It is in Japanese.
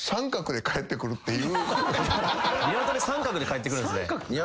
ニワトリ三角で帰ってくるんすね。